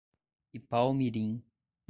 Ipaumirim